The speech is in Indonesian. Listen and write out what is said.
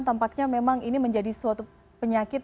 tampaknya memang ini menjadi suatu penyakit